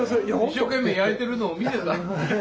一生懸命焼いているのを見てた。